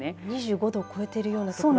２５度を超えているような所も。